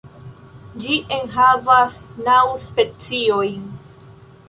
Ĝi enhavas naŭ speciojn.